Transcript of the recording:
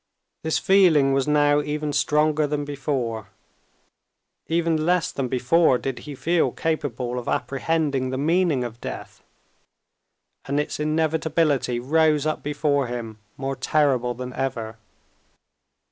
This feeling was now even stronger than before; even less than before did he feel capable of apprehending the meaning of death, and its inevitability rose up before him more terrible than ever.